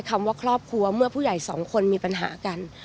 คำว่าครอบครัวเมื่อผู้ใหญ่สองคนมีปัญหากัน